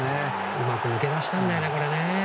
うまく抜け出したんだよね、これ。